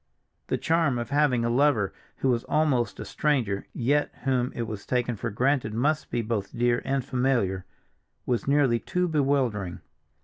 The charm of having a lover who was almost a stranger, yet whom it was taken for granted must be both dear and familiar, was nearly too bewildering.